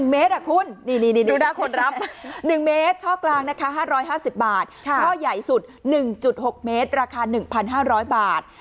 ๑เมตรคุณดูนะคนรับ๑เมตรช่อกลางนะคะ๕๕๐บาทช่อใหญ่สุด๑๖เมตรราคา๑๕๐๐บาท